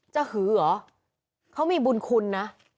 หือเหรอเขามีบุญคุณนะ